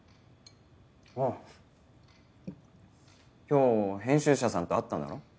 今日編集者さんと会ったんだろ？